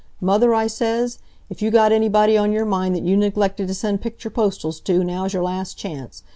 'Mother,' I says, 'if you got anybody on your mind that you neglected t' send picture postals to, now's' your last chance.